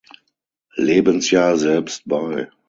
Lebensjahr selbst bei.